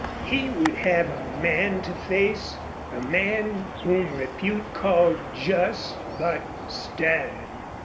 He would have a man to face a man whom repute called just, but stern.